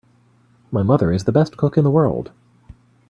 My mother is the best cook in the world!